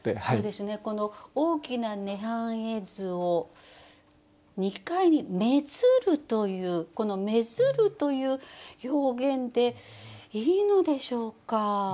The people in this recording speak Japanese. そうですねこの大きな涅槃絵図を「二階に愛づる」というこの「愛づる」という表現でいいのでしょうか？